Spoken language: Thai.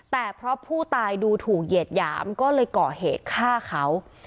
แต่เพราะผู้ตายดูถูกเหยียดหยามก็เลยก่อเหตุฆ่าเขา